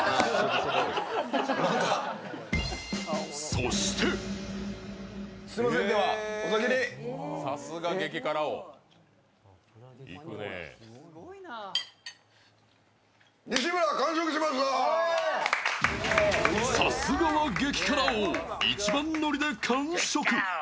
そしてさすがは激辛王、一番乗りで完食。